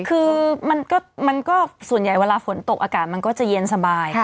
คือมันก็ส่วนใหญ่เวลาฝนตกอากาศมันก็จะเย็นสบาย